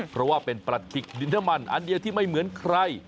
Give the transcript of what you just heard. เพราะว่าเป็นประขิกดินน้ำมันอันเดียวที่ไม่เหมือนใคร